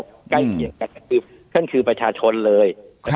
ใกล้เคียงกันก็คือท่านคือประชาชนเลย